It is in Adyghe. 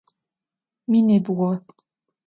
Minibğu.